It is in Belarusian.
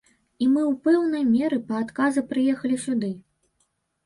І мы ў пэўнай меры па адказы прыехалі сюды.